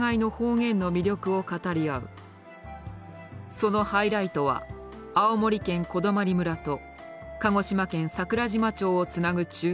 そのハイライトは青森県小泊村と鹿児島県桜島町をつなぐ中継。